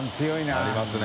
ありますね。